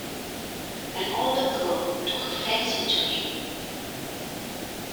An older girl took a fancy to him.